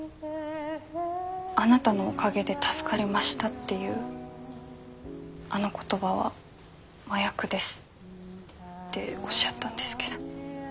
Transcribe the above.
あなたのおかげで助かりましたっていうあの言葉は麻薬ですっておっしゃったんですけど覚えてますか？